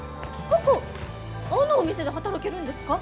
あのお店で働けるんですか？